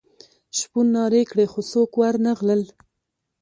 شپون نارې کړې خو څوک ور نه غلل.